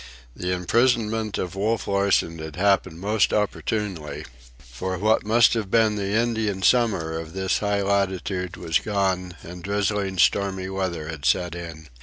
The imprisonment of Wolf Larsen had happened most opportunely, for what must have been the Indian summer of this high latitude was gone and drizzling stormy weather had set in.